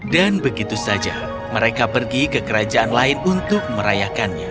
dan begitu saja mereka pergi ke kerajaan lain untuk merayakannya